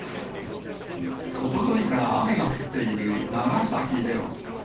おとといから雨が降っている長崎では。